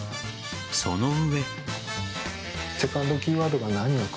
その上。